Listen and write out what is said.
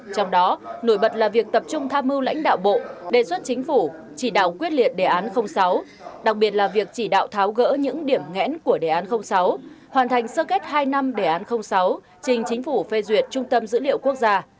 trong đó nổi bật là việc tập trung tham mưu lãnh đạo bộ đề xuất chính phủ chỉ đạo quyết liệt đề án sáu đặc biệt là việc chỉ đạo tháo gỡ những điểm nghẽn của đề án sáu hoàn thành sơ kết hai năm đề án sáu trình chính phủ phê duyệt trung tâm dữ liệu quốc gia